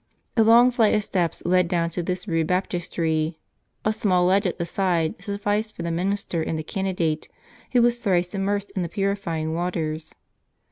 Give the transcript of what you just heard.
A long flight of steps led down to this rude baptistery, a small ledge at the side sufficed for the minister and the candidate, who was thrice immersed in the purifying waters.